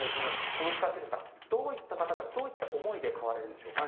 この地下シェルターどういった方がどういった思いで買われるんでしょうか。